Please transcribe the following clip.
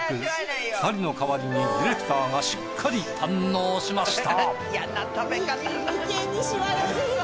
２人の代わりにディレクターがしっかり堪能しました。